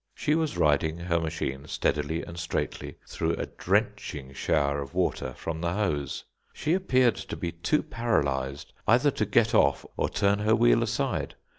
She was riding her machine steadily and straightly through a drenching shower of water from the hose. She appeared to be too paralysed either to get off or turn her wheel aside.